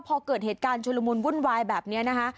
พอเกิดเหตุการณ์ชุลมุนวุ่นวายแบบนี้นะคะ